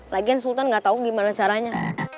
lagian sultan nggak tahu gimana caranya